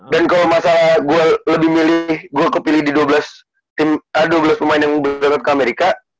dan kalo masalah gua lebih milih gua kepilih di dua belas pemain yang berangkat ke amerika